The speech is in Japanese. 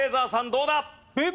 どうだ？